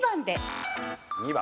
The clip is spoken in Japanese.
２番。